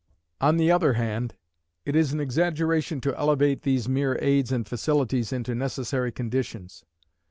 On the other hand, it is an exaggeration to elevate these mere aids and facilities into necessary conditions.